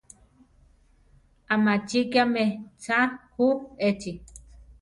¿Amachíkiame tza ju echi?